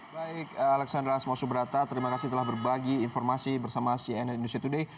baik alexandra asmausubrata terima kasih telah berbagi informasi bersama cnn industry today